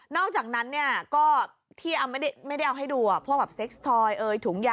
นอกจังนั้นเนี่ยก็ที่เอาไม่ได้เอาให้ดูอะ